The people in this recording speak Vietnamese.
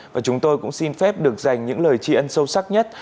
và chúng tôi cũng xin phép được dành những lời tri ân sâu sắc nhất